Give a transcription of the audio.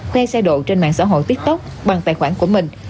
khoe xe độ trên mạng xã hội tiktok bằng tài khoản của mình